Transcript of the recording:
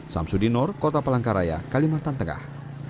samsudi nor kota palangkaraya kalimantan tengah